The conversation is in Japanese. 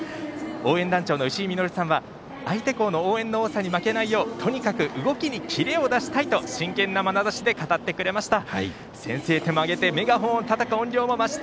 応援団長の石井実さんは相手校の応援に負けないようとにかく動きにキレを出したいと真剣なまなざしで語ってくれました。